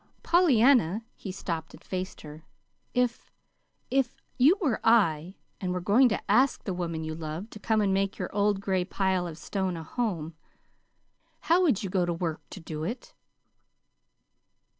"Pollyanna," he stopped and faced her; "if if you were I, and were going to ask the woman you loved to come and make your old gray pile of stone a home, how would you go to work to do it?"